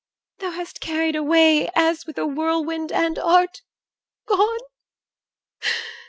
Thou hast carried all away As with a whirlwind, and art gone.